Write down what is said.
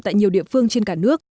tại nhiều địa phương trên cả nước